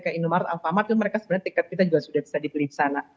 kayak inmart alfamart kan mereka sebenarnya tiket kita juga sudah bisa dibeli di sana